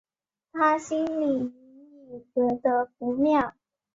她心里隐隐觉得不妙